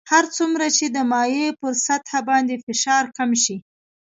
هر څومره چې د مایع پر سطح باندې فشار کم شي.